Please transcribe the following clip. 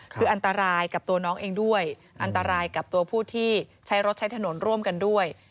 คืออันตรายกับตัวน้องเองด้วยอันตรายกับตัวผู้ที่ใช้รถใช้ถนนร่วมกันด้วย